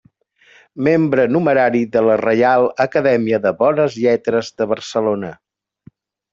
Membre numerari de la Reial Acadèmia de Bones Lletres de Barcelona.